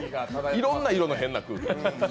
いろんな色の変な空気。